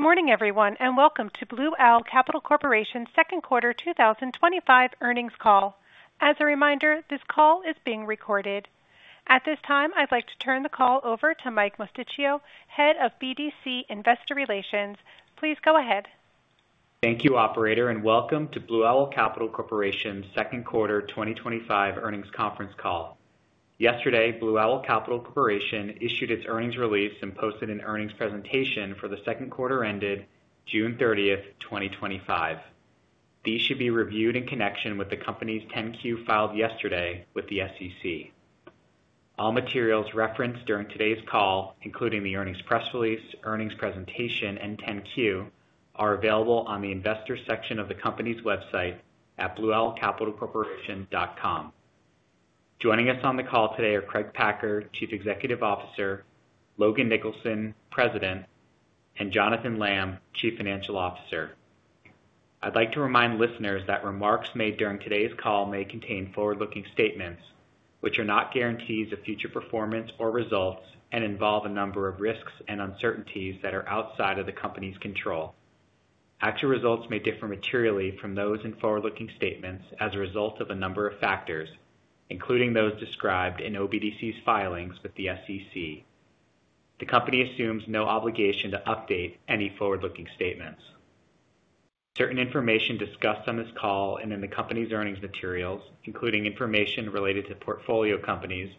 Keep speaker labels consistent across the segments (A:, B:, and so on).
A: Good morning, everyone, and welcome to Blue Owl Capital Corporation's Second Quarter 2025 Earnings Call. As a reminder, this call is being recorded. At this time, I'd like to turn the call over to Mike Mosticchio, Head of BDC Investor Relations. Please go ahead.
B: Thank you, Operator, and welcome to Blue Owl Capital Corporation's Second Quarter 2025 Earnings Conference Call. Yesterday, Blue Owl Capital Corporation issued its earnings release and posted an earnings presentation for the second quarter ended June 30th, 2025. These should be reviewed in connection with the company's 10-Q filed yesterday with the SEC. All materials referenced during today's call, including the earnings press release, earnings presentation, and 10-Q, are available on the Investors section of the company's website at blueowlcapitalcorporation.com. Joining us on the call today are Craig Packer, Chief Executive Officer; Logan Nicholson, President; and Jonathan Lamm, Chief Financial Officer. I'd like to remind listeners that remarks made during today's call may contain forward-looking statements, which are not guarantees of future performance or results and involve a number of risks and uncertainties that are outside of the company's control. Actual results may differ materially from those in forward-looking statements as a result of a number of factors, including those described in OBDC's filings with the SEC. The company assumes no obligation to update any forward-looking statements. Certain information discussed on this call and in the company's earnings materials, including information related to portfolio companies,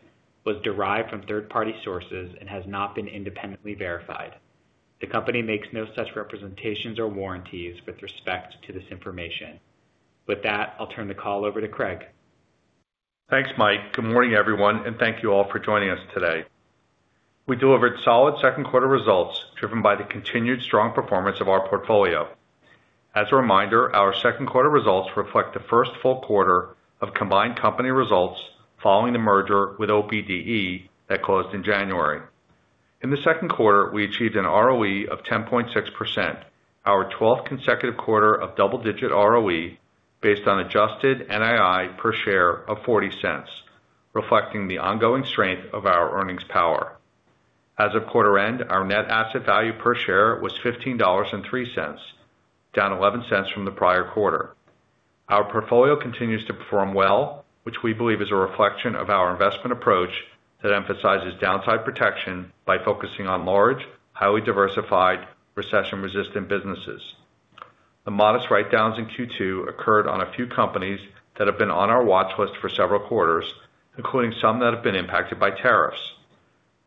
B: was derived from third-party sources and has not been independently verified. The company makes no such representations or warranties with respect to this information. With that, I'll turn the call over to Craig.
C: Thanks, Mike. Good morning, everyone, and thank you all for joining us today. We delivered solid second quarter results driven by the continued strong performance of our portfolio. As a reminder, our second quarter results reflect the first full quarter of combined company results following the merger with OBDE that closed in January. In the second quarter, we achieved an ROE of 10.6%, our 12th consecutive quarter of double-digit ROE based on adjusted NII per share of $0.40, reflecting the ongoing strength of our earnings power. As of quarter end, our net asset value per share was $15.03, down $0.11 from the prior quarter. Our portfolio continues to perform well, which we believe is a reflection of our investment approach that emphasizes downside protection by focusing on large, highly diversified, recession-resistant businesses. The modest write-downs in Q2 occurred on a few companies that have been on our watch list for several quarters, including some that have been impacted by tariffs.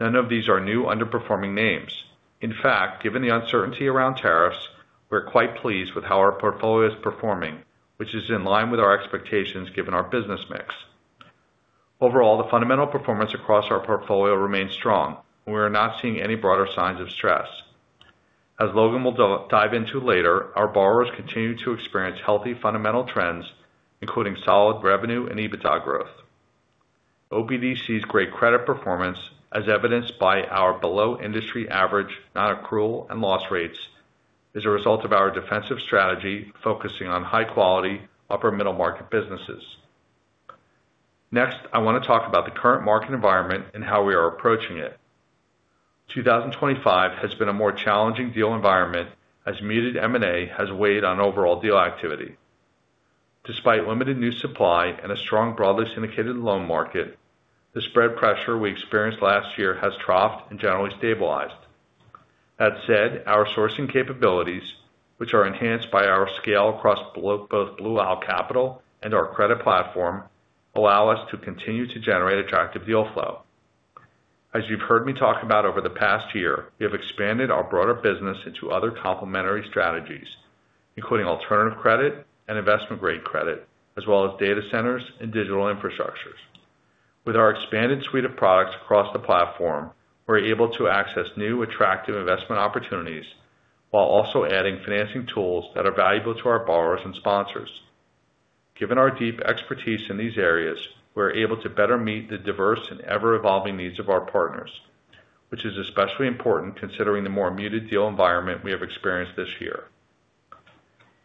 C: None of these are new underperforming names. In fact, given the uncertainty around tariffs, we are quite pleased with how our portfolio is performing, which is in line with our expectations given our business mix. Overall, the fundamental performance across our portfolio remains strong, and we are not seeing any broader signs of stress. As Logan will dive into later, our borrowers continue to experience healthy fundamental trends, including solid revenue and EBITDA growth. OBDC's great credit performance, as evidenced by our below industry average non-accrual and loss rates, is a result of our defensive strategy focusing on high-quality, upper middle market businesses. Next, I want to talk about the current market environment and how we are approaching it. 2024 has been a more challenging deal environment as muted M&A has weighed on overall deal activity. Despite limited new supply and a strong broadly syndicated loan market, the spread pressure we experienced last year has troughed and generally stabilized. That said, our sourcing capabilities, which are enhanced by our scale across both Blue Owl Capital and our credit platform, allow us to continue to generate attractive deal flow. As you've heard me talk about over the past year, we have expanded our broader business into other complementary strategies, including alternative credit and investment-grade credit, as well as data centers and digital infrastructures. With our expanded suite of products across the platform, we're able to access new attractive investment opportunities while also adding financing tools that are valuable to our borrowers and sponsors. Given our deep expertise in these areas, we're able to better meet the diverse and ever-evolving needs of our partners, which is especially important considering the more muted deal environment we have experienced this year.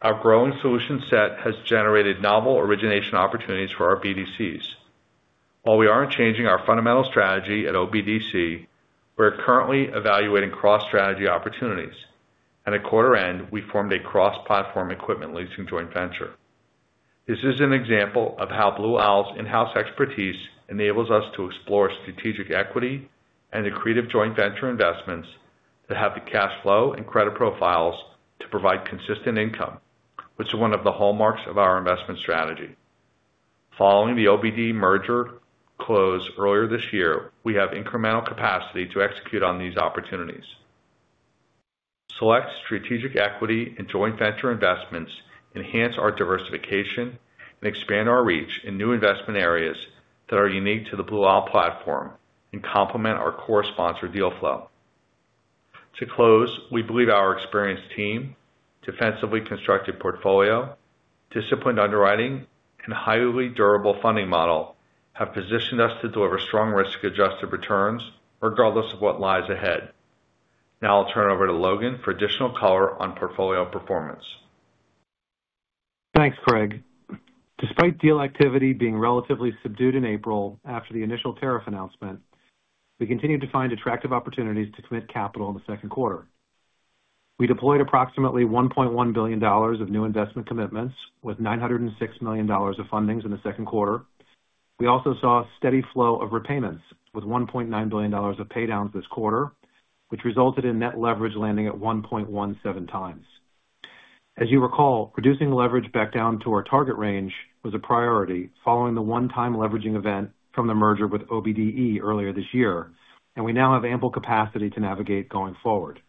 C: Our growing solution set has generated novel origination opportunities for our BDCs. While we aren't changing our fundamental strategy at OBDC, we're currently evaluating cross-strategy opportunities, and at quarter end, we formed a cross-platform equipment leasing joint venture. This is an example of how Blue Owl's in-house expertise enables us to explore strategic equity and the creative joint venture investments that have the cash flow and credit profiles to provide consistent income, which is one of the hallmarks of our investment strategy. Following the OBDE merger close earlier this year, we have incremental capacity to execute on these opportunities. Select strategic equity and joint venture investments enhance our diversification and expand our reach in new investment areas that are unique to the Blue Owl platform and complement our core sponsor deal flow. To close, we believe our experienced team, defensively constructed portfolio, disciplined underwriting, and highly durable funding model have positioned us to deliver strong risk-adjusted returns regardless of what lies ahead. Now I'll turn it over to Logan for additional color on portfolio performance.
D: Thanks, Craig. Despite deal activity being relatively subdued in April after the initial tariff announcement, we continue to find attractive opportunities to commit capital in the second quarter. We deployed approximately $1.1 billion of new investment commitments, with $906 million of fundings in the second quarter. We also saw a steady flow of repayments, with $1.9 billion of paydowns this quarter, which resulted in net leverage landing at 1.17x. As you recall, reducing leverage back down to our target range was a priority following the one-time leveraging event from the merger with OBDE earlier this year, and we now have ample capacity to navigate going forward.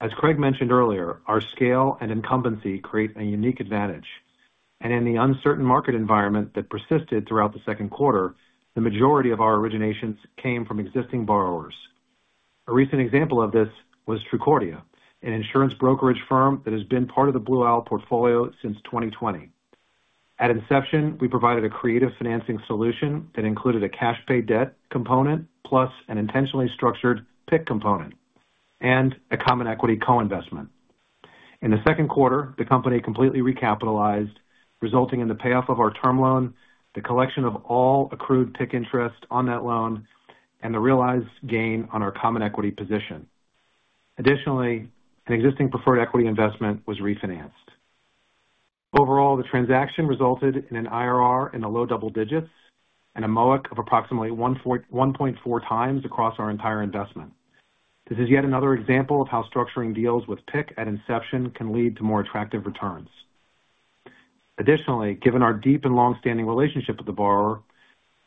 D: As Craig mentioned earlier, our scale and incumbency create a unique advantage, and in the uncertain market environment that persisted throughout the second quarter, the majority of our originations came from existing borrowers. A recent example of this was Trucordia, an insurance brokerage firm that has been part of the Blue Owl portfolio since 2020. At inception, we provided a creative financing solution that included a cash-paid debt component, plus an intentionally structured PIC component, and a common equity co-investment. In the second quarter, the company completely recapitalized, resulting in the payoff of our term loan, the collection of all accrued PIC interest on that loan, and the realized gain on our common equity position. Additionally, an existing preferred equity investment was refinanced. Overall, the transaction resulted in an IRR in the low double digits and a MOIC of approximately 1.4x across our entire investment. This is yet another example of how structuring deals with PIC at inception can lead to more attractive returns. Additionally, given our deep and long-standing relationship with the borrower,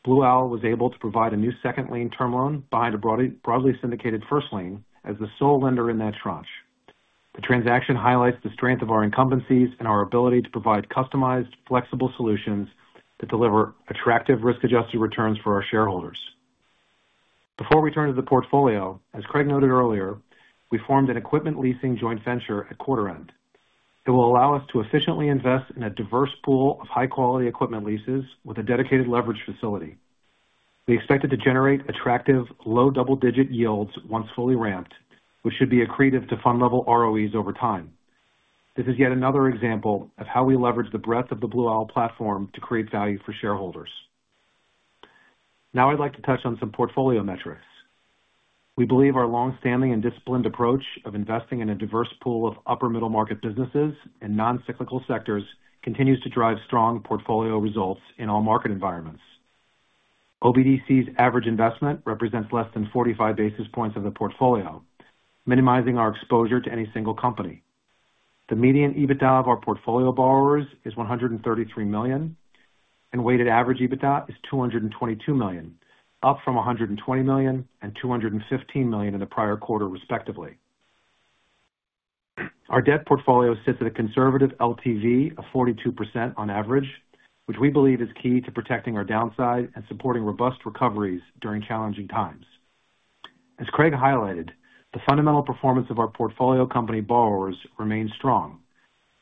D: Blue Owl was able to provide a new second lien term loan behind a broadly syndicated first lien as the sole lender in that tranche. The transaction highlights the strength of our incumbencies and our ability to provide customized, flexible solutions that deliver attractive risk-adjusted returns for our shareholders. Before we turn to the portfolio, as Craig noted earlier, we formed an equipment leasing joint venture at quarter end. It will allow us to efficiently invest in a diverse pool of high-quality equipment leases with a dedicated leverage facility. We expect it to generate attractive, low double-digit yields once fully ramped, which should be accretive to fund-level ROEs over time. This is yet another example of how we leverage the breadth of the Blue Owl platform to create value for shareholders. Now I'd like to touch on some portfolio metrics. We believe our long-standing and disciplined approach of investing in a diverse pool of upper middle market businesses and non-cyclical sectors continues to drive strong portfolio results in all market environments. OBDC's average investment represents less than 45 basis points of the portfolio, minimizing our exposure to any single company. The median EBITDA of our portfolio borrowers is $133 million, and weighted average EBITDA is $222 million, up from $120 million and $215 million in the prior quarter, respectively. Our debt portfolio sits at a conservative LTV of 42% on average, which we believe is key to protecting our downside and supporting robust recoveries during challenging times. As Craig highlighted, the fundamental performance of our portfolio company borrowers remains strong.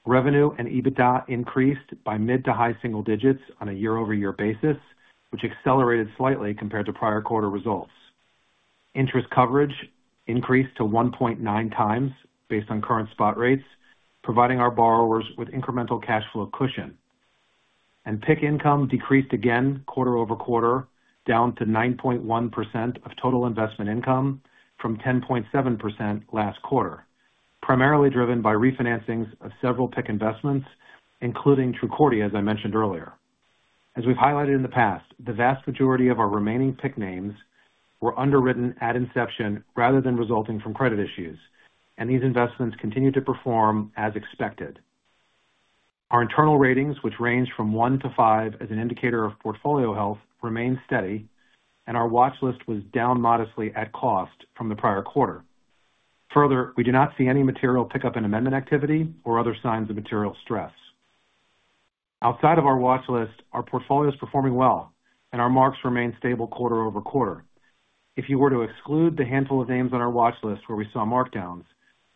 D: Revenue and EBITDA increased by mid to high single digits on a year-over-year basis, which accelerated slightly compared to prior quarter results. Interest coverage increased to 1.9x based on current spot rates, providing our borrowers with incremental cash flow cushion. PIC income decreased again quarter over quarter, down to 9.1% of total investment income from 10.7% last quarter, primarily driven by refinancings of several PIC investments, including Trucordia, as I mentioned earlier. As we've highlighted in the past, the vast majority of our remaining PIC names were underwritten at inception rather than resulting from credit issues, and these investments continue to perform as expected. Our internal ratings, which range from one to five as an indicator of portfolio health, remain steady, and our watch list was down modestly at cost from the prior quarter. Further, we do not see any material pickup in amendment activity or other signs of material stress. Outside of our watch list, our portfolio is performing well, and our marks remain stable quarter over quarter. If you were to exclude the handful of names on our watch list where we saw markdowns,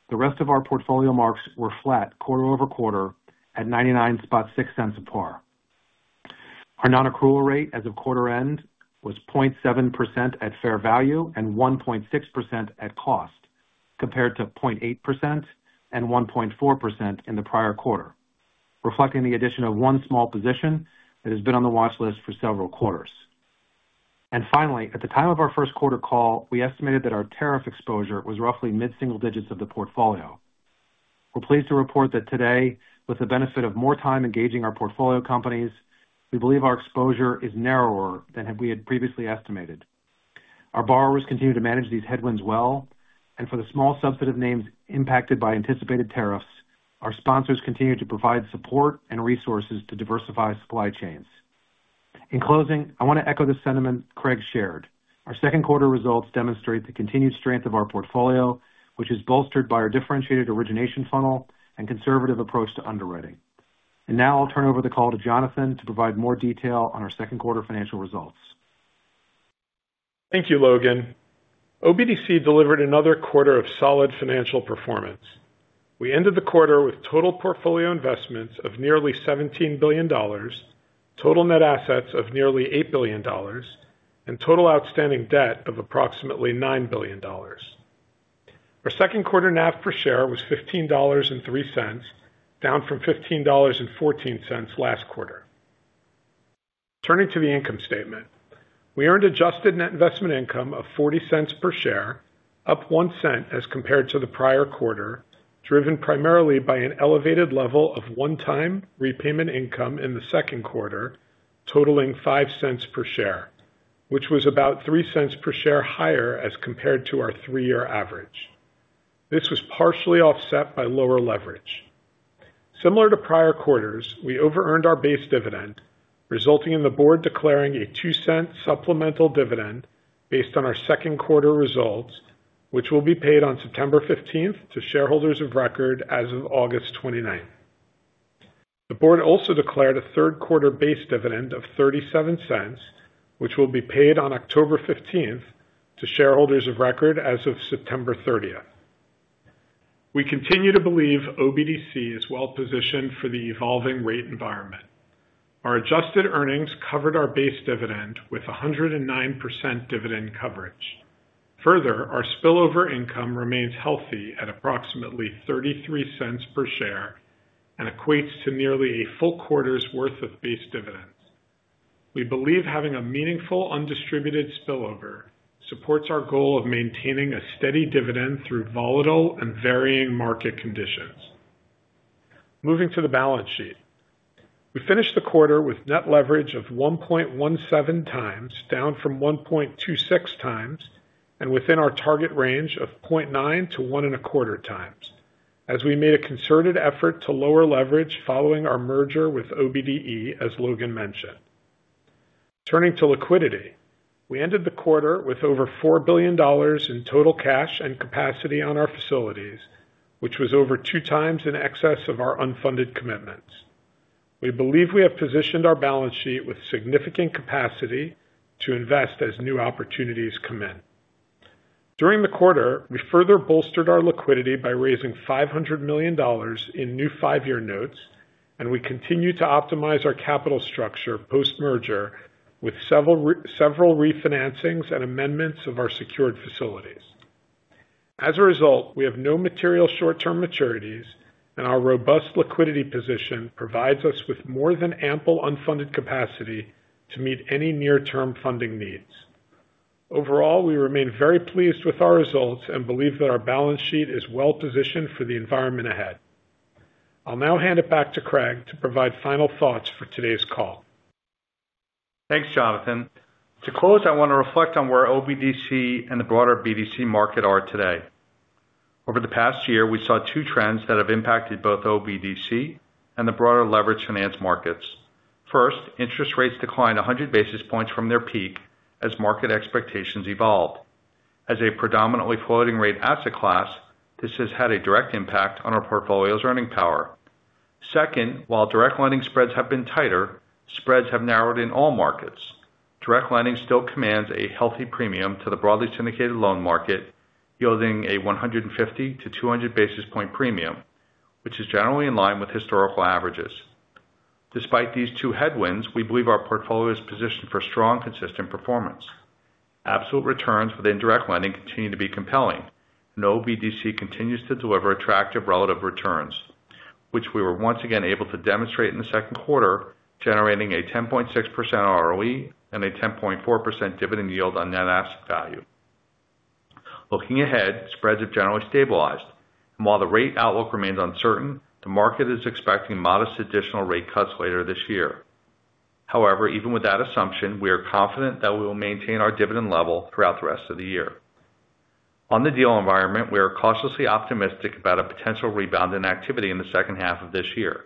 D: the rest of our portfolio marks were flat quarter over quarter at $99.06 a par. Our non-accrual rate as of quarter end was 0.7% at fair value and 1.6% at cost, compared to 0.8% and 1.4% in the prior quarter, reflecting the addition of one small position that has been on the watch list for several quarters. At the time of our first quarter call, we estimated that our tariff exposure was roughly mid-single digits of the portfolio. We're pleased to report that today, with the benefit of more time engaging our portfolio companies, we believe our exposure is narrower than we had previously estimated. Our borrowers continue to manage these headwinds well, and for the small subset of names impacted by anticipated tariffs, our sponsors continue to provide support and resources to diversify supply chains. In closing, I want to echo the sentiment Craig shared. Our second quarter results demonstrate the continued strength of our portfolio, which is bolstered by our differentiated origination funnel and conservative approach to underwriting. Now I'll turn over the call to Jonathan to provide more detail on our second quarter financial results.
E: Thank you, Logan. OBDC delivered another quarter of solid financial performance. We ended the quarter with total portfolio investments of nearly $17 billion, total net assets of nearly $8 billion, and total outstanding debt of approximately $9 billion. Our second quarter NAV per share was $15.03, down from $15.14 last quarter. Turning to the income statement, we earned adjusted net investment income of $0.40 per share, up $0.01 as compared to the prior quarter, driven primarily by an elevated level of one-time repayment income in the second quarter, totaling $0.05 per share, which was about $0.03 per share higher as compared to our three-year average. This was partially offset by lower leverage. Similar to prior quarters, we over-earned our base dividend, resulting in the board declaring a $0.02 supplemental dividend based on our second quarter results, which will be paid on September 15th to shareholders of record as of August 29th. The board also declared a third quarter base dividend of $0.37, which will be paid on October 15th to shareholders of record as of September 30th. We continue to believe OBDC is well-positioned for the evolving rate environment. Our adjusted earnings covered our base dividend with 109% dividend coverage. Further, our spillover income remains healthy at approximately $0.33 per share and equates to nearly a full quarter's worth of base dividends. We believe having a meaningful undistributed spillover supports our goal of maintaining a steady dividend through volatile and varying market conditions. Moving to the balance sheet, we finished the quarter with net leverage of 1.17x, down from 1.26x, and within our target range of 0.9x to 1.25x, as we made a concerted effort to lower leverage following our merger with OBDE, as Logan mentioned. Turning to liquidity, we ended the quarter with over $4 billion in total cash and capacity on our facilities, which was over two times in excess of our unfunded commitments. We believe we have positioned our balance sheet with significant capacity to invest as new opportunities come in. During the quarter, we further bolstered our liquidity by raising $500 million in new five-year notes, and we continue to optimize our capital structure post-merger with several refinancings and amendments of our secured facilities. As a result, we have no material short-term maturities, and our robust liquidity position provides us with more than ample unfunded capacity to meet any near-term funding needs. Overall, we remain very pleased with our results and believe that our balance sheet is well-positioned for the environment ahead. I'll now hand it back to Craig to provide final thoughts for today's call.
C: Thanks, Jonathan. To close, I want to reflect on where OBDC and the broader BDC market are today. Over the past year, we saw two trends that have impacted both OBDC and the broader leverage finance markets. First, interest rates declined 100 basis points from their peak as market expectations evolved. As a predominantly floating-rate asset class, this has had a direct impact on our portfolio's earning power. Second, while direct lending spreads have been tighter, spreads have narrowed in all markets. Direct lending still commands a healthy premium to the broadly syndicated loan market, yielding a 150 to 200 basis point premium, which is generally in line with historical averages. Despite these two headwinds, we believe our portfolio is positioned for strong, consistent performance. Absolute returns with direct lending continue to be compelling. OBDC continues to deliver attractive relative returns, which we were once again able to demonstrate in the second quarter, generating a 10.6% ROE and a 10.4% dividend yield on net asset value. Looking ahead, spreads have generally stabilized. While the rate outlook remains uncertain, the market is expecting modest additional rate cuts later this year. However, even with that assumption, we are confident that we will maintain our dividend level throughout the rest of the year. On the deal environment, we are cautiously optimistic about a potential rebound in activity in the second half of this year.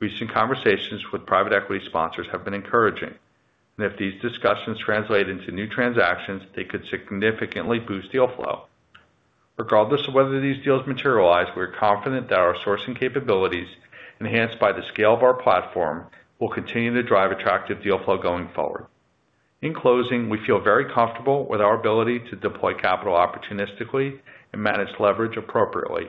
C: Recent conversations with private equity sponsors have been encouraging, and if these discussions translate into new transactions, they could significantly boost deal flow. Regardless of whether these deals materialize, we are confident that our sourcing capabilities, enhanced by the scale of our platform, will continue to drive attractive deal flow going forward. In closing, we feel very comfortable with our ability to deploy capital opportunistically and manage leverage appropriately.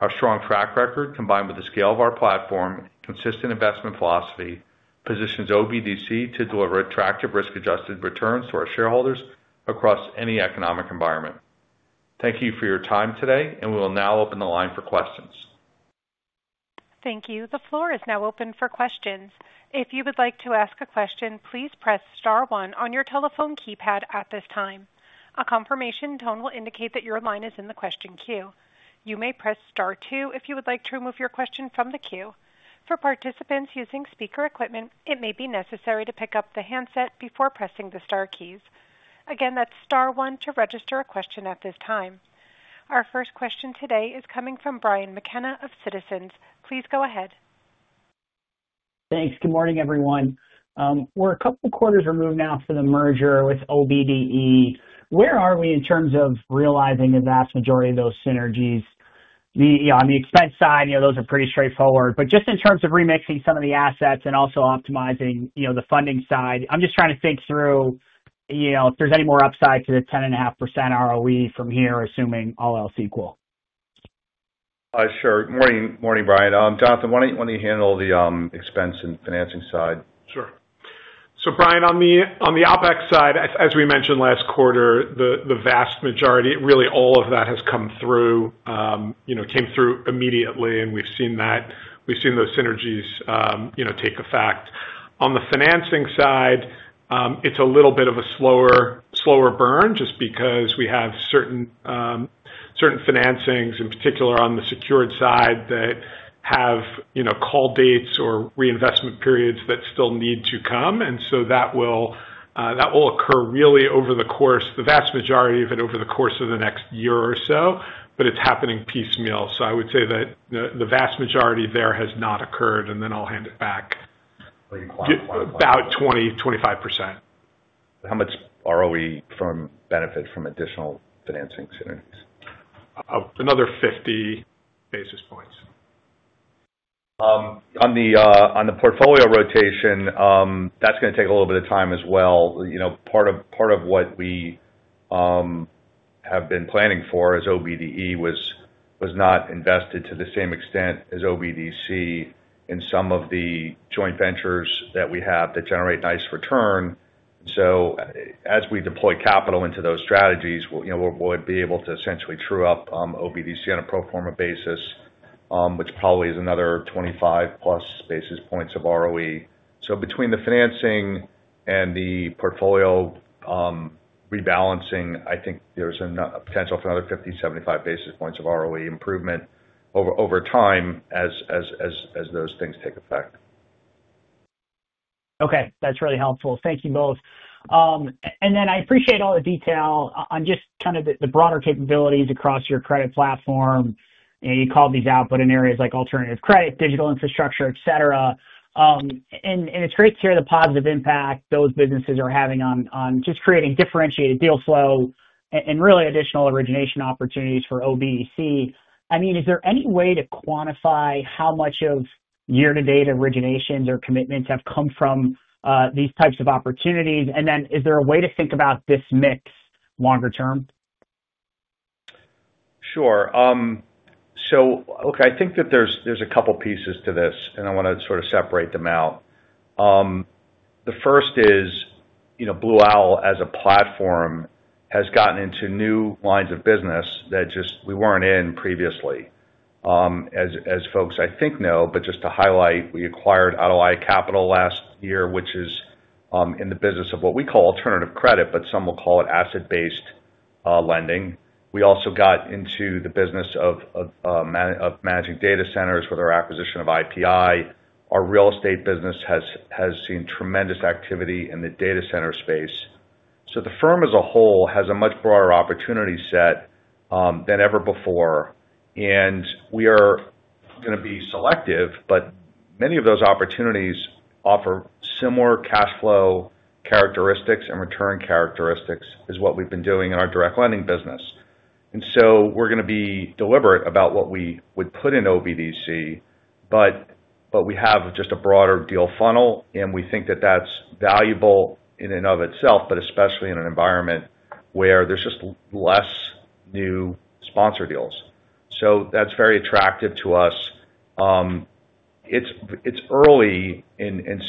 C: Our strong track record, combined with the scale of our platform and consistent investment philosophy, positions OBDC to deliver attractive risk-adjusted returns to our shareholders across any economic environment. Thank you for your time today, and we will now open the line for questions.
A: Thank you. The floor is now open for questions. If you would like to ask a question, please press star one on your telephone keypad at this time. A confirmation tone will indicate that your line is in the question queue. You may press star two if you would like to remove your question from the queue. For participants using speaker equipment, it may be necessary to pick up the handset before pressing the star keys. Again, that's star one to register a question at this time. Our first question today is coming from Brian Mckenna of Citizens. Please go ahead.
F: Thanks. Good morning, everyone. We're a couple of quarters removed now from the merger with OBDE. Where are we in terms of realizing the vast majority of those synergies? On the expense side, those are pretty straightforward. In terms of remixing some of the assets and also optimizing the funding side, I'm just trying to think through if there's any more upside to the 10.5% ROE from here, assuming all else equal.
C: Sure. Morning, Brian. Jonathan, why don't you handle the expense and financing side?
E: Sure. Brian, on the OpEx side, as we mentioned last quarter, the vast majority, really all of that has come through, came through immediately, and we've seen that. We've seen those synergies take effect. On the financing side, it's a little bit of a slower burn just because we have certain financings, in particular on the secured side, that have call dates or reinvestment periods that still need to come. That will occur really over the course, the vast majority of it over the course of the next year or so, but it's happening piecemeal. I would say that the vast majority there has not occurred, and then I'll hand it back.
F: What do you imply?
E: About 20%, 25%.
C: How much ROE from benefit from additional financing synergies?
E: Another 50 basis points.
C: On the portfolio rotation, that's going to take a little bit of time as well. Part of what we have been planning for as OBDE was not invested to the same extent as OBDC in some of the joint ventures that we have that generate nice return. As we deploy capital into those strategies, we'll be able to essentially true up on OBDC on a pro forma basis, which probably is another 25+ basis points of ROE. Between the financing and the portfolio rebalancing, I think there's a potential for another 50 to 75 basis points of ROE improvement over time as those things take effect.
F: Okay, that's really helpful. Thank you both. I appreciate all the detail on just kind of the broader capabilities across your credit platform. You called these out, but in areas like alternative credit, digital infrastructure, et cetera. It's great to hear the positive impact those businesses are having on just creating differentiated deal flow and really additional origination opportunities for OBDC. Is there any way to quantify how much of year-to-date originations or commitments have come from these types of opportunities? Is there a way to think about this mix longer term?
C: Sure. I think that there's a couple of pieces to this, and I want to sort of separate them out. The first is, you know, Blue Owl as a platform has gotten into new lines of business that just we weren't in previously. As folks, I think, know, but just to highlight, we acquired Atalaya Capital last year, which is in the business of what we call alternative credit, but some will call it asset-based lending. We also got into the business of managing data centers with our acquisition of IPI. Our real estate business has seen tremendous activity in the data center space. The firm as a whole has a much broader opportunity set than ever before. We are going to be selective, but many of those opportunities offer similar cash flow characteristics and return characteristics as what we've been doing in our direct lending business. We are going to be deliberate about what we would put in OBDC, but we have just a broader deal funnel, and we think that that's valuable in and of itself, especially in an environment where there's just less new sponsor deals. That's very attractive to us. It's early, and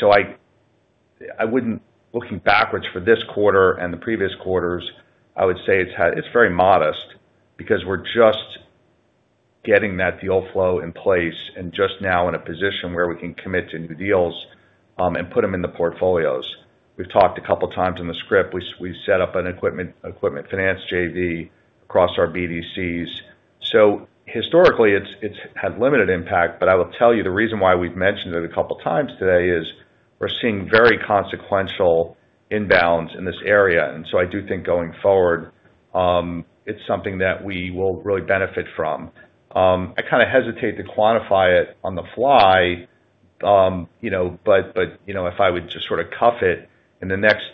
C: I wouldn't, looking backwards for this quarter and the previous quarters, I would say it's very modest because we're just getting that deal flow in place and just now in a position where we can commit to new deals and put them in the portfolios. We've talked a couple of times in the script, we set up an equipment finance JV across our BDCs. Historically, it's had limited impact, but I will tell you the reason why we've mentioned it a couple of times today is we're seeing very consequential inbounds in this area. I do think going forward, it's something that we will really benefit from. I kind of hesitate to quantify it on the fly, but if I would just sort of cuff it, in the next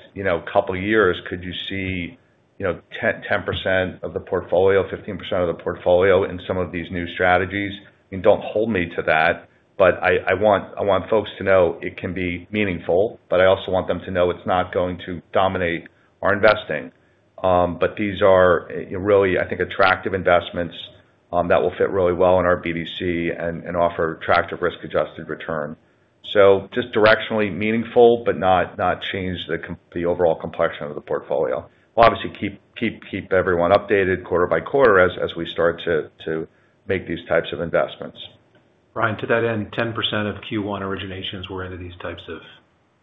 C: couple of years, could you see, you know, 10% of the portfolio, 15% of the portfolio in some of these new strategies? Don't hold me to that, but I want folks to know it can be meaningful, but I also want them to know it's not going to dominate our investing. These are really, I think, attractive investments that will fit really well in our BDC and offer attractive risk-adjusted return. Just directionally meaningful, but not change the overall complexion of the portfolio. We'll obviously keep everyone updated quarter by quarter as we start to make these types of investments.
E: Brian, to that end, 10% of Q1 originations were into these types of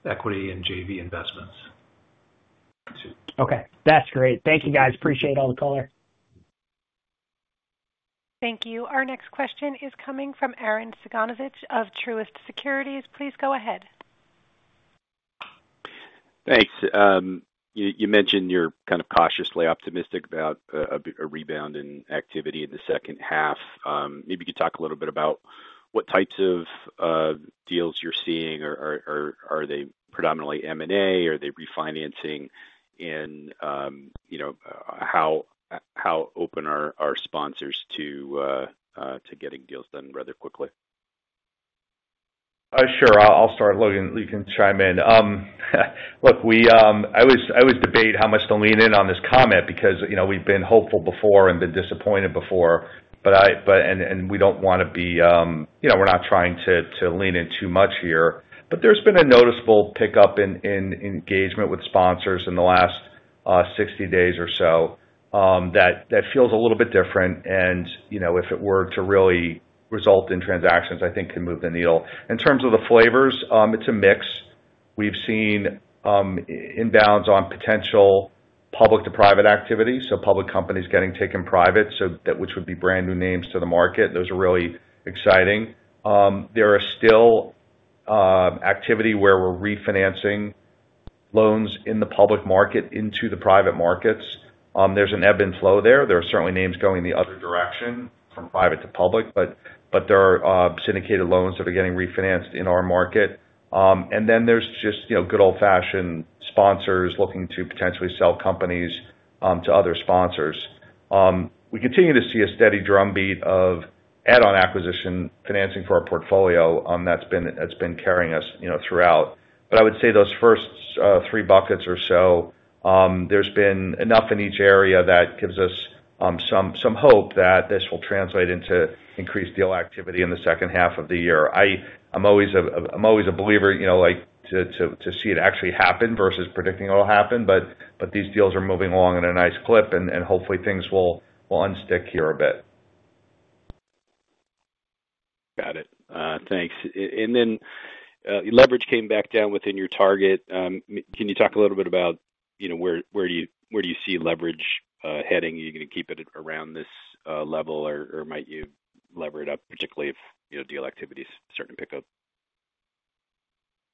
E: equity and JV investments.
F: OK, that's great. Thank you, guys. Appreciate all the color.
A: Thank you. Our next question is coming from Arren Cyganovich of Truist Securities. Please go ahead.
G: Thanks. You mentioned you're kind of cautiously optimistic about a rebound in activity in the second half. Maybe you could talk a little bit about what types of deals you're seeing. Are they predominantly M&A activity? Are they refinancing? How open are sponsors to getting deals done rather quickly?
C: Sure, I'll start. Logan, you can chime in. Look, I always debate how much to lean in on this comment because we've been hopeful before and been disappointed before, and we don't want to be, you know, we're not trying to lean in too much here. There's been a noticeable pickup in engagement with sponsors in the last 60 days or so that feels a little bit different. If it were to really result in transactions, I think it could move the needle. In terms of the flavors, it's a mix. We've seen inbounds on potential public-to-private activity, so public companies getting taken private, which would be brand new names to the market. Those are really exciting. There is still activity where we're refinancing loans in the public market into the private markets. There's an ebb and flow there. There are certainly names going the other direction from private to public, but there are syndicated loans that are getting refinanced in our market. There's just, you know, good old-fashioned sponsors looking to potentially sell companies to other sponsors. We continue to see a steady drumbeat of add-on acquisition financing for our portfolio that's been carrying us throughout. I would say those first three buckets or so, there's been enough in each area that gives us some hope that this will translate into increased deal activity in the second half of the year. I'm always a believer, you know, like to see it actually happen versus predicting it'll happen. These deals are moving along in a nice clip, and hopefully things will unstick here a bit.
G: Got it. Thanks. Your leverage came back down within your target. Can you talk a little bit about where you see leverage heading? Are you going to keep it around this level, or might you lever it up, particularly if deal activity is starting to pick up?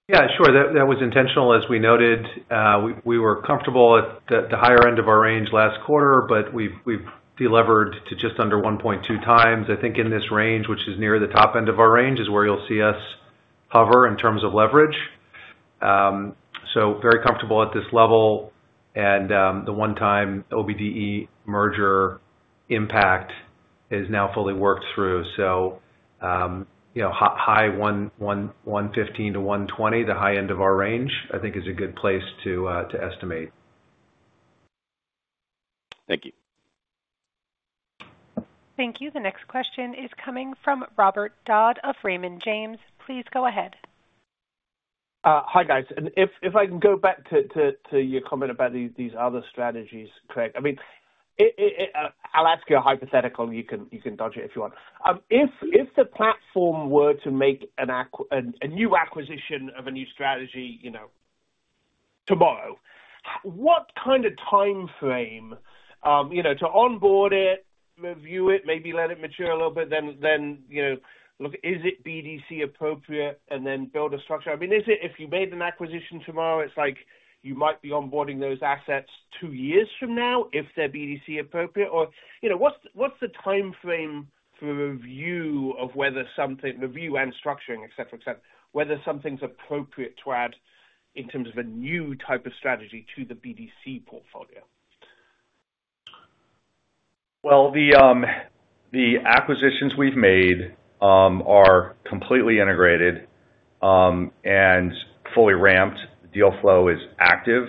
D: Yeah, sure. That was intentional. As we noted, we were comfortable at the higher end of our range last quarter, but we've delevered to just under 1.2x. I think in this range, which is near the top end of our range, is where you'll see us hover in terms of leverage. Very comfortable at this level. The one-time OBDE merger impact is now fully worked through. High 1.15 to 1.20, the high end of our range, I think is a good place to estimate.
G: Thank you.
A: Thank you. The next question is coming from Robert Dodd of Raymond James. Please go ahead.
H: Hi, guys. If I can go back to your comment about these other strategies, Craig, I mean, I'll ask you a hypothetical, and you can dodge it if you want. If the platform were to make a new acquisition of a new strategy, you know, tomorrow, what kind of time frame, you know, to onboard it, review it, maybe let it mature a little bit, then look, is it BDC appropriate and then build a structure? I mean, if you made an acquisition tomorrow, it's like you might be onboarding those assets two years from now if they're BDC appropriate? You know, what's the time frame for review of whether something, review and structuring, et cetera, et cetera, whether something's appropriate to add in terms of a new type of strategy to the BDC portfolio?
C: The acquisitions we've made are completely integrated and fully ramped. The deal flow is active,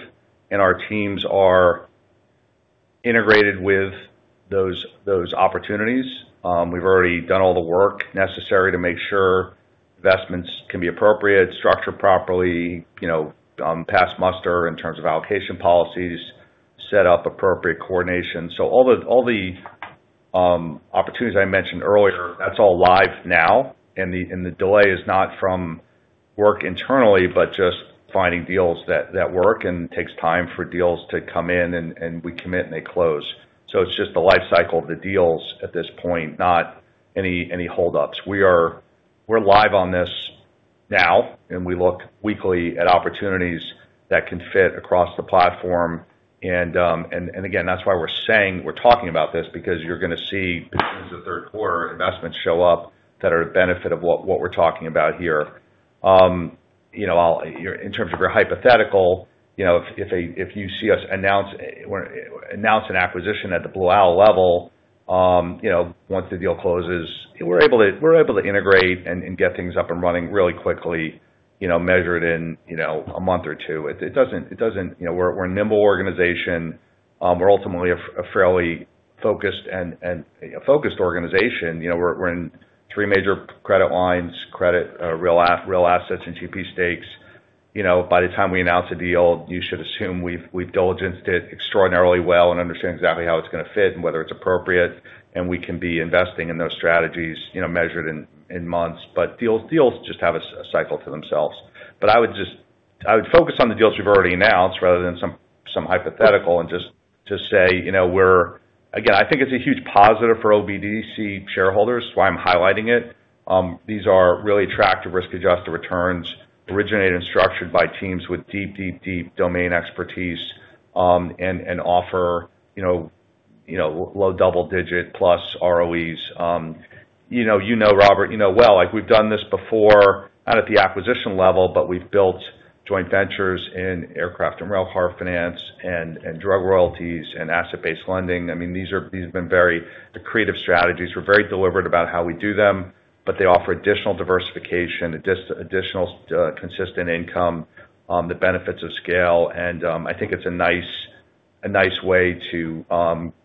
C: and our teams are integrated with those opportunities. We've already done all the work necessary to make sure investments can be appropriate, structured properly, pass muster in terms of allocation policies, set up appropriate coordination. All the opportunities I mentioned earlier, that's all live now. The delay is not from work internally, but just finding deals that work and it takes time for deals to come in, and we commit and they close. It's just the life cycle of the deals at this point, not any holdups. We're live on this now, and we look weekly at opportunities that can fit across the platform. That's why we're saying we're talking about this, because you're going to see as soon as the third quarter investments show up that are a benefit of what we're talking about here. In terms of your hypothetical, if you see us announce an acquisition at the Blue Owl level, once the deal closes, we're able to integrate and get things up and running really quickly, measured in a month or two. We're a nimble organization. We're ultimately a fairly focused and focused organization. We're in three major credit lines, credit, real assets, and GP stakes. By the time we announce a deal, you should assume we've diligenced it extraordinarily well and understand exactly how it's going to fit and whether it's appropriate, and we can be investing in those strategies, measured in months. Deals just have a cycle to themselves. I would focus on the deals we've already announced rather than some hypothetical and just say, I think it's a huge positive for OBDC shareholders, that's why I'm highlighting it. These are really attractive risk-adjusted returns, originated and structured by teams with deep, deep, deep domain expertise, and offer low double digit plus ROEs. Robert, you know well, like we've done this before, not at the acquisition level, but we've built joint ventures in aircraft and rail car finance and drug royalties and asset-based lending. These have been very, the creative strategies were very deliberate about how we do them, but they offer additional diversification, additional consistent income, the benefits of scale. I think it's a nice way to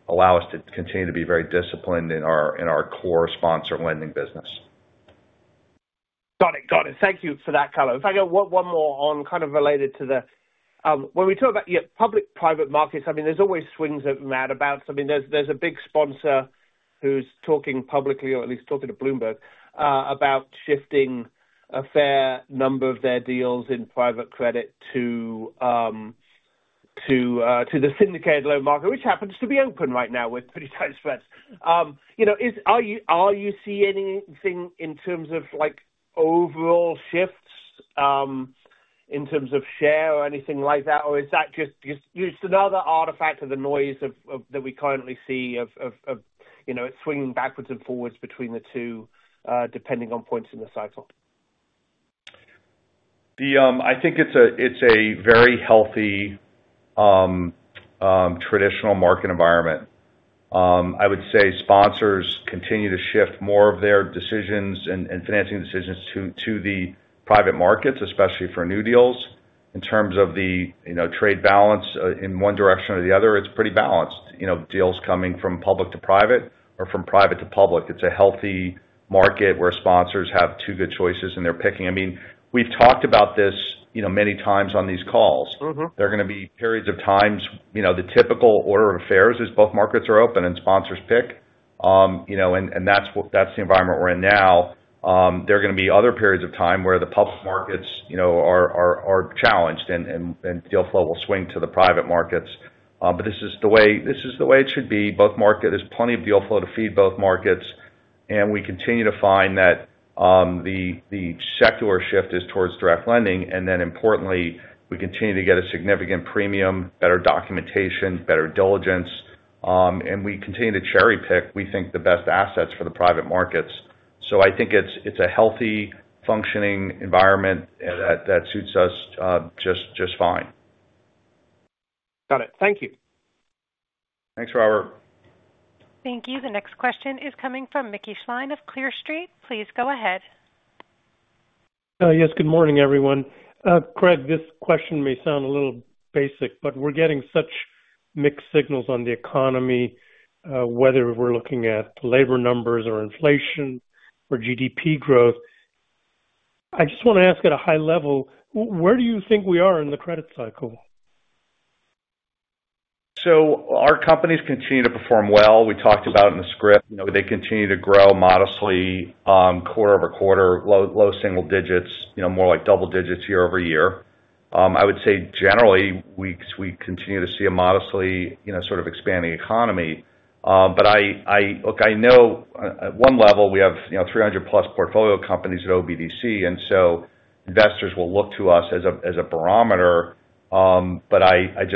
C: allow us to continue to be very disciplined in our core sponsor lending business.
H: Got it. Thank you for that color. If I get one more on kind of related to that, when we talk about public-private markets, there's always swings at mad about. There's a big sponsor who's talking publicly, or at least talking to Bloomberg, about shifting a fair number of their deals in private credit to the syndicated loan market, which happens to be open right now with pretty tight spreads. Are you seeing anything in terms of overall shifts in terms of share or anything like that? Or is that just another artifact of the noise that we currently see of swinging backwards and forwards between the two, depending on points in the cycle?
C: I think it's a very healthy traditional market environment. I would say sponsors continue to shift more of their decisions and financing decisions to the private markets, especially for new deals. In terms of the trade balance in one direction or the other, it's pretty balanced. Deals coming from public to private or from private to public. It's a healthy market where sponsors have two good choices, and they're picking. I mean, we've talked about this many times on these calls. There are going to be periods of time, you know, the typical order of affairs is both markets are open and sponsors pick. That's the environment we're in now. There are going to be other periods of time where the public markets are challenged and deal flow will swing to the private markets. This is the way it should be. Both markets, there's plenty of deal flow to feed both markets. We continue to find that the secular shift is towards direct lending. Importantly, we continue to get a significant premium, better documentation, better diligence. We continue to cherry-pick, we think, the best assets for the private markets. I think it's a healthy, functioning environment that suits us just fine.
H: Got it. Thank you.
C: Thanks, Robert.
A: Thank you. The next question is coming from Mickey Schleien of Clear Street. Please go ahead.
I: Yes, good morning, everyone. Craig, this question may sound a little basic, but we're getting such mixed signals on the economy, whether we're looking at labor numbers or inflation or GDP growth. I just want to ask at a high level, where do you think we are in the credit cycle?
C: Our companies continue to perform well. We talked about in the script, they continue to grow modestly, quarter over quarter, low single digits, more like double digits year over year. I would say generally we continue to see a modestly, sort of expanding economy. I know at one level we have 300 plus portfolio companies at OBDC, and investors will look to us as a barometer. I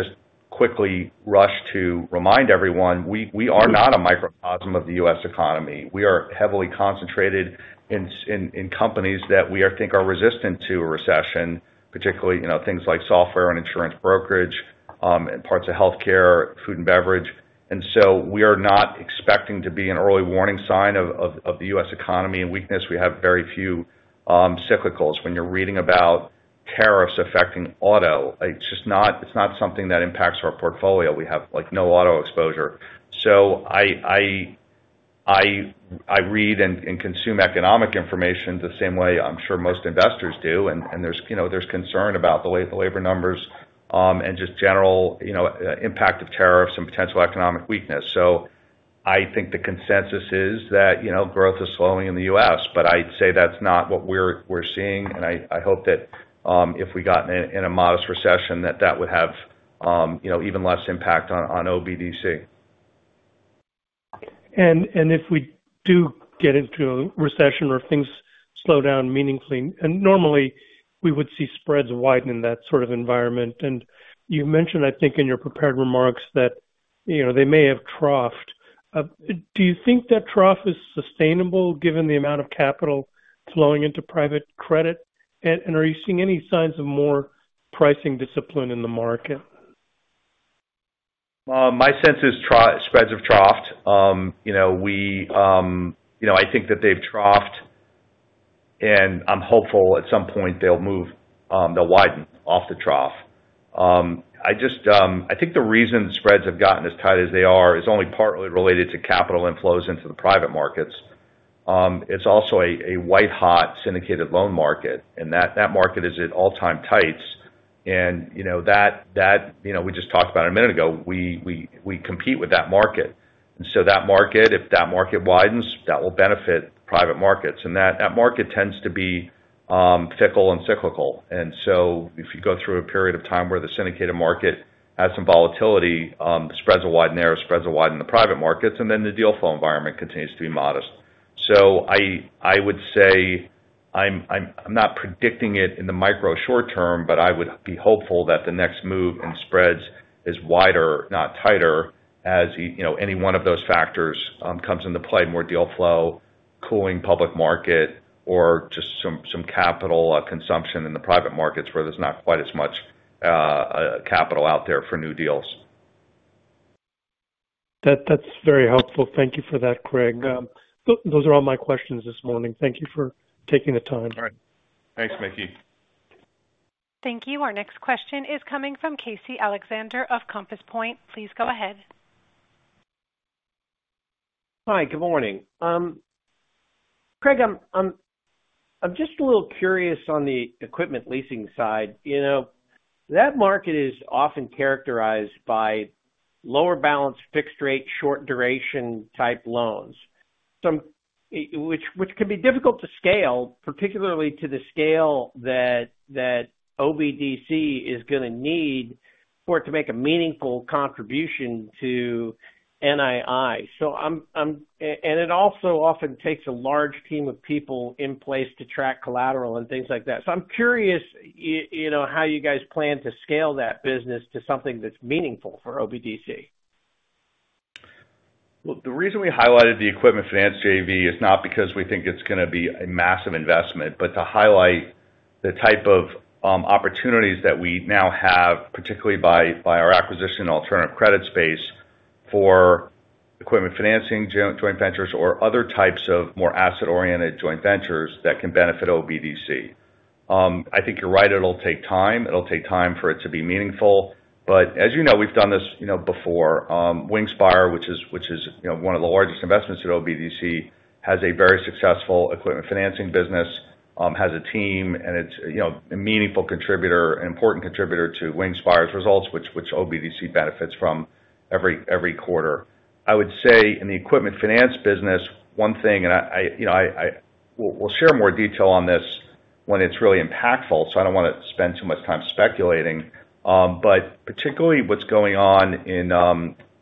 C: quickly rush to remind everyone, we are not a microcosm of the U.S. economy. We are heavily concentrated in companies that we think are resistant to a recession, particularly things like software and insurance brokerage, and parts of health care, food and beverage. We are not expecting to be an early warning sign of the U.S. economy and weakness. We have very few cyclicals. When you're reading about tariffs affecting auto, it's just not something that impacts our portfolio. We have like no auto exposure. I read and consume economic information the same way I'm sure most investors do, and there's concern about the labor numbers and just general impact of tariffs and potential economic weakness. I think the consensus is that growth is slowing in the U.S. I'd say that's not what we're seeing. I hope that if we got in a modest recession, that would have even less impact on OBDC.
I: If we do get into a recession or things slow down meaningfully, normally we would see spreads widen in that sort of environment. You mentioned, I think, in your prepared remarks that they may have troughed. Do you think that trough is sustainable given the amount of capital flowing into private credit? Are you seeing any signs of more pricing discipline in the market?
C: My sense is spreads have troughed. I think that they've troughed, and I'm hopeful at some point they'll move, they'll widen off the trough. I think the reason spreads have gotten as tight as they are is only partly related to capital inflows into the private markets. It's also a white-hot syndicated loan market, and that market is at all-time tights. We just talked about it a minute ago, we compete with that market. If that market widens, that will benefit private markets. That market tends to be fickle and cyclical. If you go through a period of time where the syndicated market has some volatility, spreads will widen there, spreads will widen in the private markets, and the deal flow environment continues to be modest. I would say I'm not predicting it in the micro short term, but I would be hopeful that the next move in spreads is wider, not tighter, as any one of those factors comes into play, more deal flow, cooling public market, or just some capital consumption in the private markets where there's not quite as much capital out there for new deals.
I: That's very helpful. Thank you for that, Craig. Those are all my questions this morning. Thank you for taking the time.
C: All right. Thanks, Mickey.
A: Thank you. Our next question is coming from Casey Alexander of Compass Point. Please go ahead.
J: Hi, good morning. Craig, I'm just a little curious on the equipment leasing side. You know, that market is often characterized by lower balance, fixed rate, short duration type loans, which can be difficult to scale, particularly to the scale that OBDC is going to need for it to make a meaningful contribution to NII. It also often takes a large team of people in place to track collateral and things like that. I'm curious how you guys plan to scale that business to something that's meaningful for OBDC.
C: The reason we highlighted the equipment finance JV is not because we think it's going to be a massive investment, but to highlight the type of opportunities that we now have, particularly by our acquisition and alternative credit space for equipment financing, joint ventures, or other types of more asset-oriented joint ventures that can benefit OBDC. I think you're right, it'll take time. It'll take time for it to be meaningful. As you know, we've done this before. Wingspire, which is one of the largest investments in OBDC, has a very successful equipment financing business, has a team, and it's a meaningful contributor, an important contributor to Wingspire's results, which OBDC benefits from every quarter. I would say in the equipment finance business, one thing, and we'll share more detail on this when it's really impactful, so I don't want to spend too much time speculating, but particularly what's going on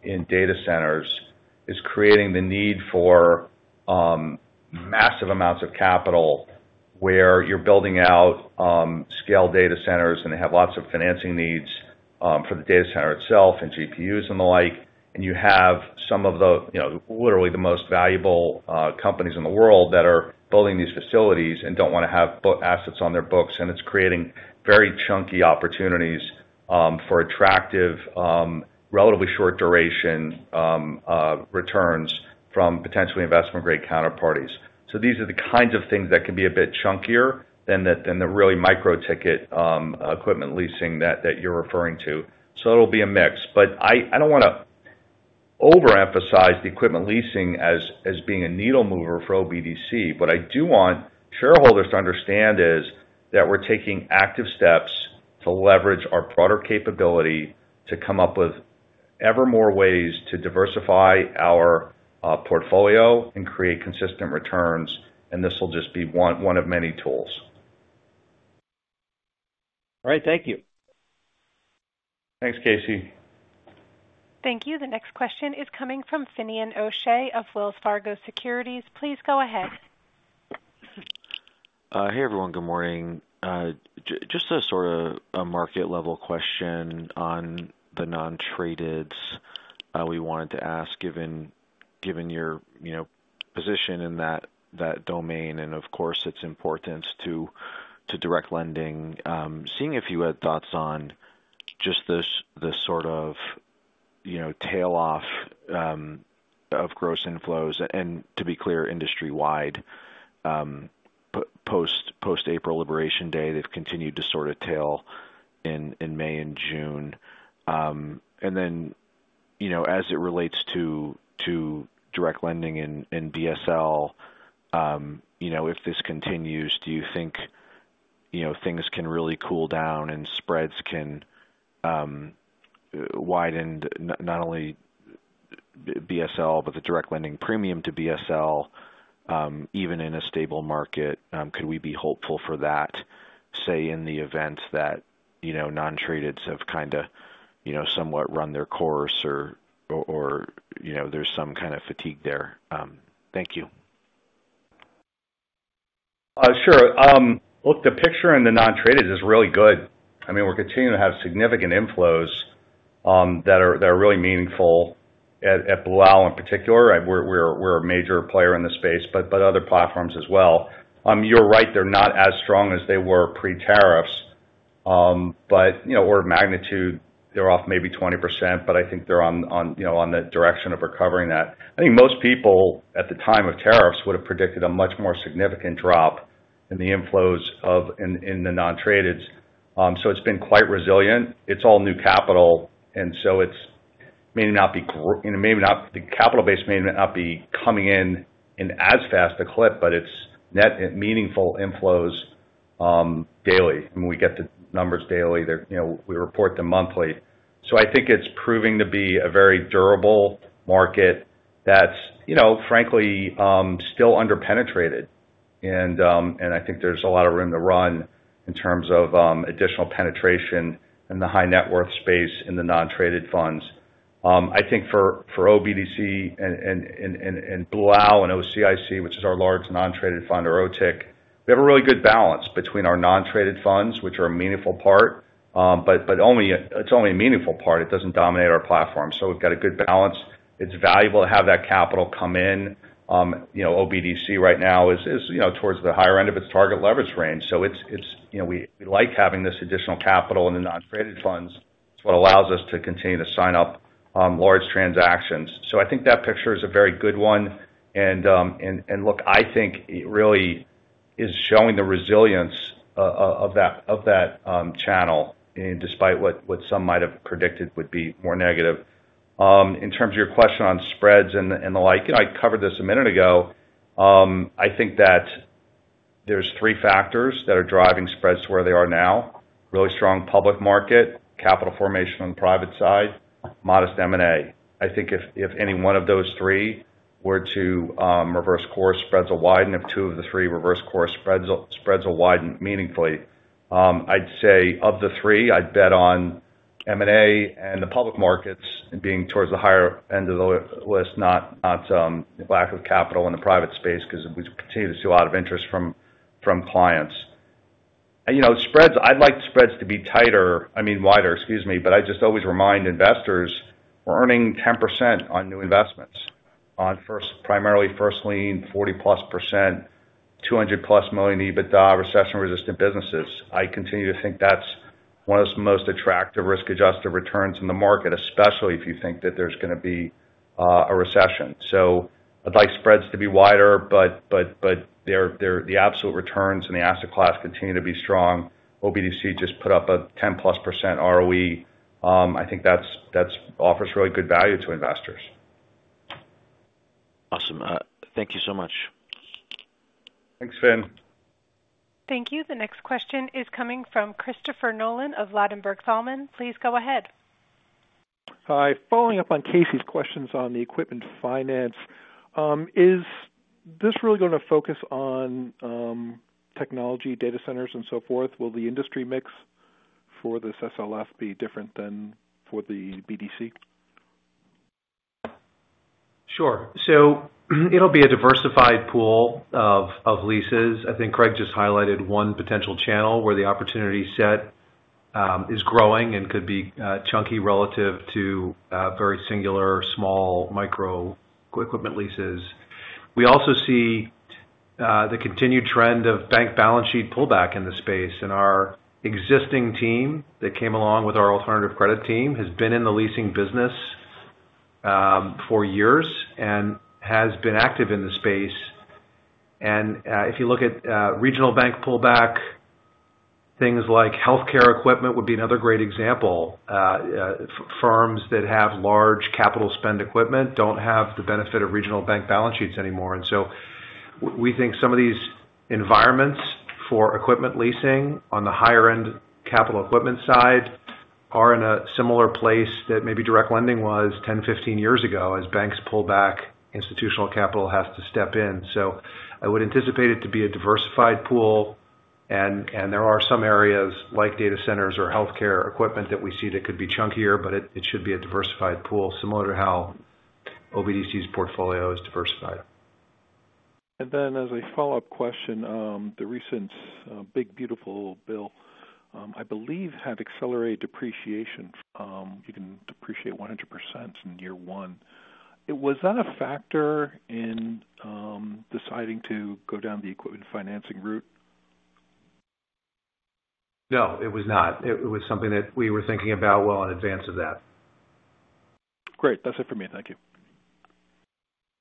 C: in data centers is creating the need for massive amounts of capital where you're building out scale data centers and have lots of financing needs for the data center itself and GPUs and the like. You have some of the, you know, literally the most valuable companies in the world that are building these facilities and don't want to have assets on their books, and it's creating very chunky opportunities for attractive, relatively short duration returns from potentially investment-grade counterparties. These are the kinds of things that can be a bit chunkier than the really micro-ticket equipment leasing that you're referring to. It'll be a mix. I don't want to overemphasize the equipment leasing as being a needle mover for OBDC. What I do want shareholders to understand is that we're taking active steps to leverage our broader capability to come up with ever more ways to diversify our portfolio and create consistent returns, and this will just be one of many tools.
J: All right, thank you.
C: Thanks, Casey.
A: Thank you. The next question is coming from Finian O'Shea of Wells Fargo Securities. Please go ahead.
K: Hey everyone, good morning. Just a sort of market-level question on the non-tradeds. We wanted to ask, given your position in that domain, and of course its importance to direct lending, seeing if you had thoughts on this sort of tail-off of gross inflows. To be clear, industry-wide, post-April Liberation Day, they've continued to tail in May and June. As it relates to direct lending and BSL, if this continues, do you think things can really cool down and spreads can widen not only BSL, but the direct lending premium to BSL, even in a stable market? Could we be hopeful for that, say, in the event that non-tradeds have kind of run their course or there's some kind of fatigue there? Thank you.
C: Sure. Look, the picture in the non-traded is really good. I mean, we're continuing to have significant inflows that are really meaningful at Blue Owl in particular. We're a major player in the space, but other platforms as well. You're right, they're not as strong as they were pre-tariffs. You know, order of magnitude, they're off maybe 20%, but I think they're on the direction of recovering that. I think most people at the time of tariffs would have predicted a much more significant drop in the inflows in the non-tradeds. It's been quite resilient. It's all new capital, and so it may not be, you know, maybe not the capital base may not be coming in as fast a clip, but it's net meaningful inflows daily. I mean, we get the numbers daily. We report them monthly. I think it's proving to be a very durable market that's, you know, frankly, still underpenetrated. I think there's a lot of room to run in terms of additional penetration in the high net worth space in the non-traded funds. I think for OBDC and Blue Owl and OCIC, which is our large non-traded fund, or OTIC, we have a really good balance between our non-traded funds, which are a meaningful part, but it's only a meaningful part. It doesn't dominate our platform. We've got a good balance. It's valuable to have that capital come in. You know, OBDC right now is towards the higher end of its target leverage range. We like having this additional capital in the non-traded funds. It's what allows us to continue to sign up large transactions. I think that picture is a very good one. I think it really is showing the resilience of that channel, despite what some might have predicted would be more negative. In terms of your question on spreads and the like, I covered this a minute ago. I think that there's three factors that are driving spreads to where they are now: really strong public market, capital formation on the private side, modest M&A. I think if any one of those three were to reverse course, spreads will widen. If two of the three reverse course, spreads will widen meaningfully. I'd say of the three, I'd bet on M&A and the public markets and being towards the higher end of the list, not lack of capital in the private space because we continue to see a lot of interest from clients. You know, spreads, I'd like spreads to be tighter, I mean, wider, excuse me, but I just always remind investors, we're earning 10% on new investments, on first, primarily first lien, 40%+, $200+ million EBITDA recession-resistant businesses. I continue to think that's one of the most attractive risk-adjusted returns in the market, especially if you think that there's going to be a recession. I'd like spreads to be wider, but the absolute returns and the asset class continue to be strong. OBDC just put up a 10%+ ROE. I think that offers really good value to investors.
K: Awesome. Thank you so much.
C: Thanks, Fin.
A: Thank you. The next question is coming from Christopher Nolan of Ladenburg Thalmann. Please go ahead.
L: Hi. Following up on Casey's questions on the equipment finance, is this really going to focus on technology, data centers, and so forth? Will the industry mix for this SLF be different than for the BDC?
C: Sure. It'll be a diversified pool of leases. I think Craig just highlighted one potential channel where the opportunity set is growing and could be chunky relative to very singular small micro equipment leases. We also see the continued trend of bank balance sheet pullback in the space. Our existing team that came along with our alternative credit team has been in the leasing business for years and has been active in the space. If you look at regional bank pullback, things like healthcare equipment would be another great example. Firms that have large capital spend equipment don't have the benefit of regional bank balance sheets anymore. We think some of these environments for equipment leasing on the higher-end capital equipment side are in a similar place that maybe direct lending was 10, 15 years ago. As banks pull back, institutional capital has to step in. I would anticipate it to be a diversified pool. There are some areas like data centers or healthcare equipment that we see that could be chunkier, but it should be a diversified pool similar to how OBDC's portfolio is diversified.
L: As a follow-up question, the recent Big Beautiful Bill, I believe, had accelerated depreciation. You can depreciate 100% in year one. Was that a factor in deciding to go down the equipment financing route?
C: No, it was not. It was something that we were thinking about well in advance of that.
L: Great. That's it for me. Thank you.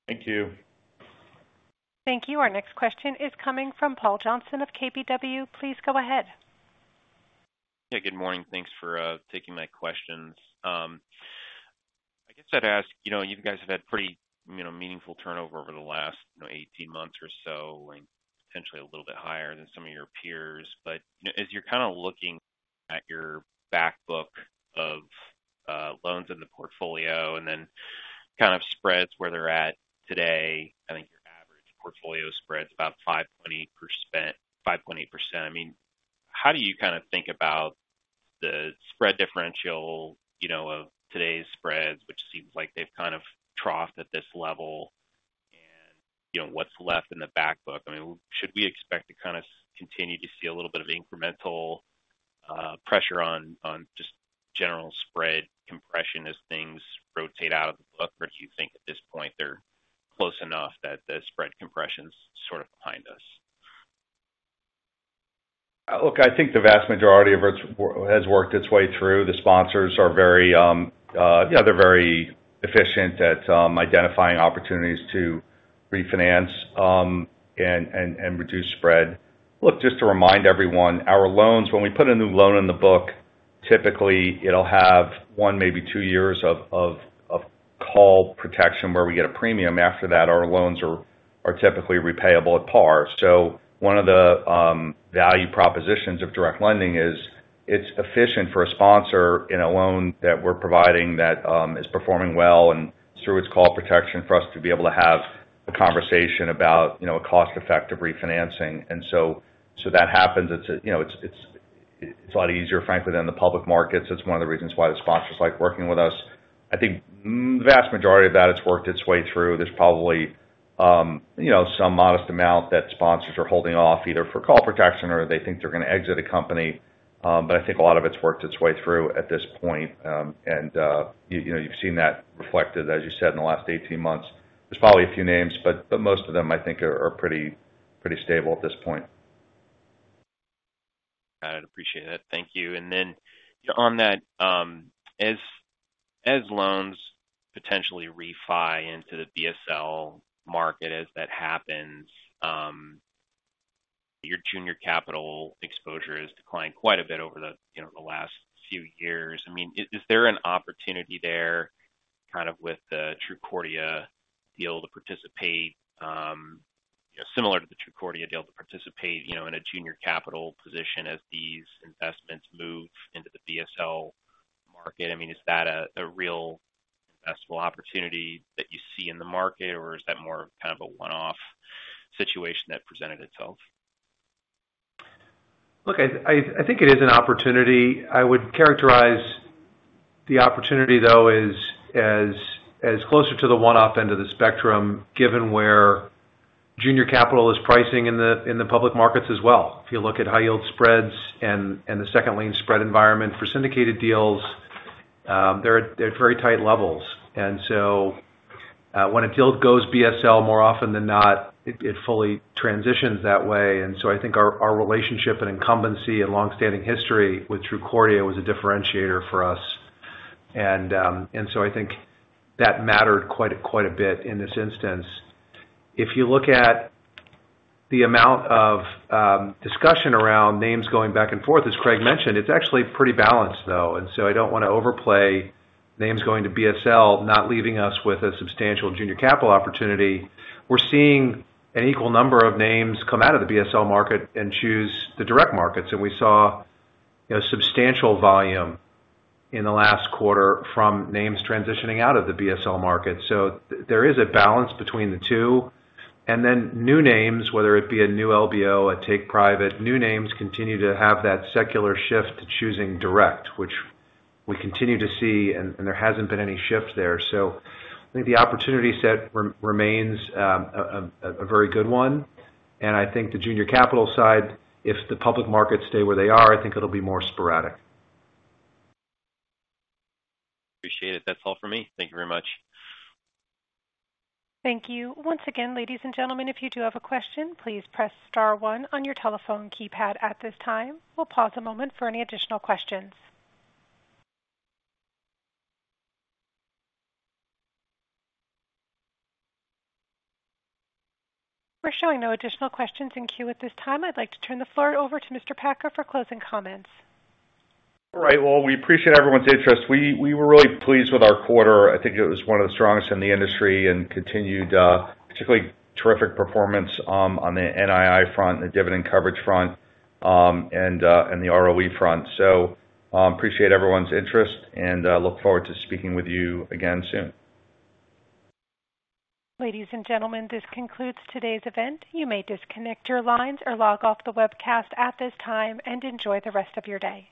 C: Thank you.
A: Thank you. Our next question is coming from Paul Johnson of KBW. Please go ahead.
M: Good morning. Thanks for taking my questions. I guess I'd ask, you guys have had pretty meaningful turnover over the last 18 months or so, and potentially a little bit higher than some of your peers. As you're looking at your backbook of loans in the portfolio and then spreads where they're at today, I think your average portfolio spread is about 5.8%. How do you think about the spread differential of today's spreads, which seems like they've troughed at this level? What's left in the backbook? Should we expect to continue to see a little bit of incremental pressure on just general spread compression as things rotate out of the book, or do you think at this point they're close enough that the spread compression is sort of behind us?
C: Look, I think the vast majority of it has worked its way through. The sponsors are very, you know, they're very efficient at identifying opportunities to refinance and reduce spread. Look, just to remind everyone, our loans, when we put a new loan in the book, typically it'll have one, maybe two years of call protection where we get a premium. After that, our loans are typically repayable at par. One of the value propositions of direct lending is it's efficient for a sponsor in a loan that we're providing that is performing well and through its call protection for us to be able to have a conversation about, you know, a cost-effective refinancing. That happens. It's a lot easier, frankly, than the public markets. That's one of the reasons why the sponsors like working with us. I think the vast majority of that has worked its way through. There's probably some modest amount that sponsors are holding off either for call protection or they think they're going to exit a company. I think a lot of it's worked its way through at this point. You've seen that reflected, as you said, in the last 18 months. There's probably a few names, but most of them, I think, are pretty stable at this point.
M: Got it. Appreciate that. Thank you. As loans potentially refi into the BSL market, your junior capital exposure has declined quite a bit over the last few years. Is there an opportunity there with the Trucordia deal to participate, similar to the Trucordia deal, to participate in a junior capital position as these investments move into the BSL market? Is that a real investable opportunity that you see in the market, or is that more a one-off situation that presented itself?
D: Look, I think it is an opportunity. I would characterize the opportunity, though, as closer to the one-off end of the spectrum, given where junior capital is pricing in the public markets as well. If you look at high-yield spreads and the second lien spread environment for syndicated deals, they're at very tight levels. When a deal goes BSL, more often than not, it fully transitions that way. I think our relationship and incumbency and longstanding history with Truecordia was a differentiator for us. I think that mattered quite a bit in this instance. If you look at the amount of discussion around names going back and forth, as Craig mentioned, it's actually pretty balanced, though. I don't want to overplay names going to BSL, not leaving us with a substantial junior capital opportunity. We're seeing an equal number of names come out of the BSL market and choose the direct markets. We saw substantial volume in the last quarter from names transitioning out of the BSL market. There is a balance between the two. New names, whether it be a new LBO, a take private, new names continue to have that secular shift to choosing direct, which we continue to see, and there hasn't been any shift there. I think the opportunity set remains a very good one. I think the junior capital side, if the public markets stay where they are, I think it'll be more sporadic.
M: Appreciate it. That's all for me. Thank you very much.
A: Thank you. Once again, ladies and gentlemen, if you do have a question, please press star one on your telephone keypad at this time. We'll pause a moment for any additional questions. We're showing no additional questions in queue at this time. I'd like to turn the floor over to Mr. Packer for closing comments.
C: All right. We appreciate everyone's interest. We were really pleased with our quarter. I think it was one of the strongest in the industry and continued particularly terrific performance on the NII front, the dividend coverage front, and the ROE front. I appreciate everyone's interest and look forward to speaking with you again soon.
A: Ladies and gentlemen, this concludes today's event. You may disconnect your lines or log off the webcast at this time and enjoy the rest of your day.